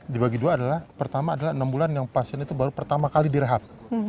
dibagi dua adalah pertama adalah enam bulan yang pasien itu baru pertama kali direhab